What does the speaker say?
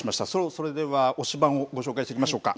それでは、推しバン！をご紹介しておきましょうか。